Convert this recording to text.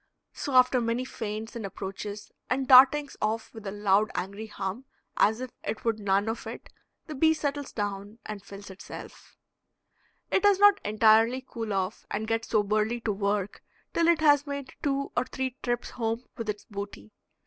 So after many feints and approaches and dartings off with a loud angry hum as if it would none of it, the bee settles down and fills itself. It does not entirely cool off and get soberly to work till it has made two or three trips home with its booty.